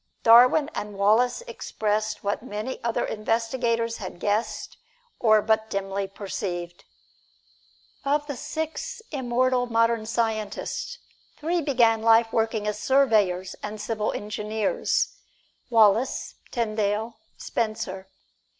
Darwin and Wallace expressed what many other investigators had guessed or but dimly perceived. Of the six immortal modern scientists, three began life working as surveyors and civil engineers Wallace, Tyndall, Spencer.